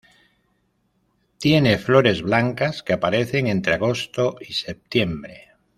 Tiene flores blancas que aparecen entre agosto y septiembre.